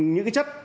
những cái chất